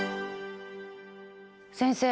先生